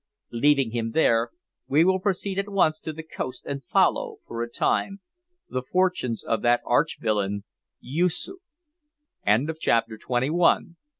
Leaving him there, we will proceed at once to the coast and follow, for a time, the fortunes of that archvillain, Yoosoof. CHAPTER TWENTY TWO.